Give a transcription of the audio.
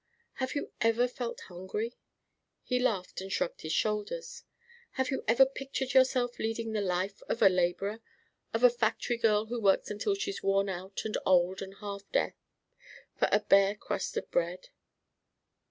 "Have you ever felt hungry?" He laughed and shrugged his shoulders. "Have you ever pictured yourself leading the life of a labourer, of a factory girl who works until she's worn out and old and half dead for a bare crust of bread?"